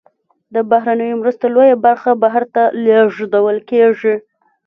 د بهرنیو مرستو لویه برخه بهر ته لیږدول کیږي.